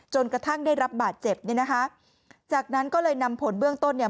จนกระทั่งได้รับบาดเจ็บเนี่ยนะคะจากนั้นก็เลยนำผลเบื้องต้นเนี่ย